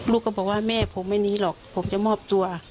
ก็บอกว่าแม่ผมไม่หนีหรอกผมจะมอบตัว